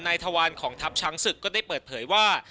ทวารของทัพช้างศึกก็ได้เปิดเผยว่า